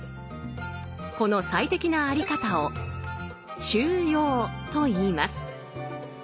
この最適なあり方を「中庸」といいます。